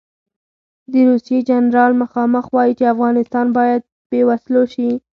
د روسیې جنرال مخامخ وایي چې افغانستان باید بې وسلو شي.